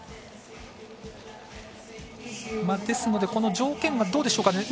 ですので条件はどうでしょうか。